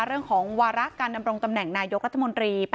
เรื่องของวาระการดำรงตำแหน่งนายกรัฐมนตรี